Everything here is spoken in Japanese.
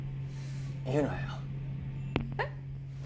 言うなよえっ？